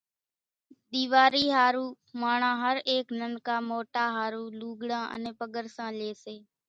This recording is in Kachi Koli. ۮيواري ۿارُو ماڻۿان ھر ايڪ ننڪا موٽا ۿارُو لوڳڙان انين پڳرسان لئي سي